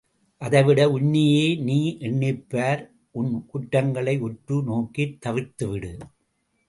அதைவிட உன்னையே நீ எண்ணிப்பார் உன் குற்றங்களை உற்று நோக்கித் தவிர்த்துவிடு!